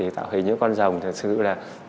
tạo hình những con rồng thật sự là